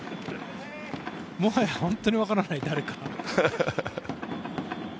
もはや本当に分からない、誰か。